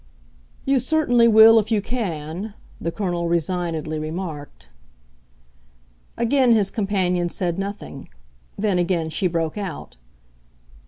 "You certainly will if you can," the Colonel resignedly remarked. Again his companion said nothing; then again she broke out.